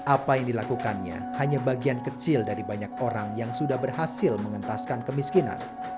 apa yang dilakukannya hanya bagian kecil dari banyak orang yang sudah berhasil mengentaskan kemiskinan